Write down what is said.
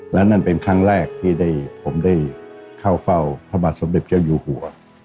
และนั่นเป็นครั้งแรกที่ผมได้เข้าเฝ้าพระบาทสมเด็จเจ้าอยู่หัว